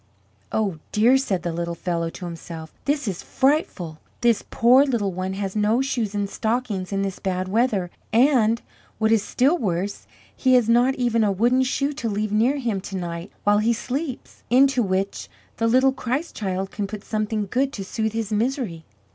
"Oh, dear!" said the little fellow to himself, "this is frightful! This poor little one has no shoes and stockings in this bad weather and, what is still worse, he has not even a wooden shoe to leave near him to night while he sleeps, into which the little Christ Child can put something good to soothe his misery."